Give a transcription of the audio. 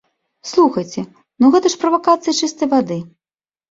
Слухайце, ну, гэта ж правакацыя чыстай вады.